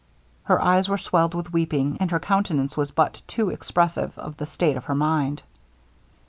Her eyes were swelled with weeping, and her countenance was but too expressive of the state of her mind.